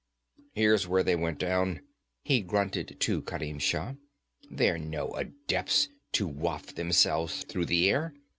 'Here's where they went down,' he grunted to Kerim Shah. 'They're no adepts, to waft themselves through the air!